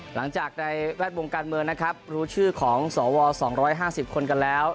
หลังจากในแวดวงการเมืองนะครับรู้ชื่อของสว๒๕๐คนกันแล้ว